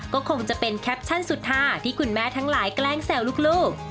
ก็คงจะเป็นแคปชั่นสุดหาที่คุณแม่ทั้งหลายแกล้งแซวลูก